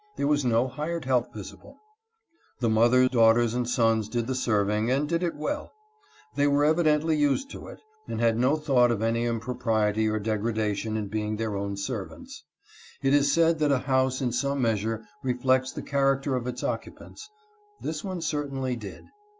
There was no hired help visible. The mother, daughters, and sons did the serving, and did it well. They were evident ly used to it, and had no thought of any impropriety or degradation in being their own servants. It is said that a house in some measure reflects the character of its oc cupants ; this one certainly did.